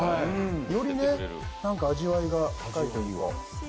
よりね、味わいが深いという。